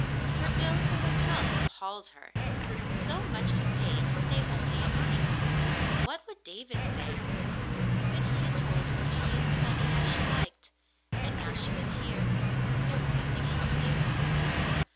Her bill at the hotel had appalled her. So much to pay to stay only a night ! What would David say ? But he had told her to use the money as she liked, and now she was here, there was nothing else to do.